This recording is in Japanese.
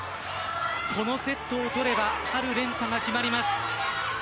このセットを取れば春連覇が決まります。